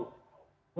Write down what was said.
walaupun kita tahu